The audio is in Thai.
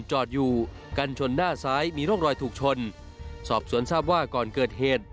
จอดอยู่กันชนหน้าซ้ายมีร่องรอยถูกชนสอบสวนทราบว่าก่อนเกิดเหตุ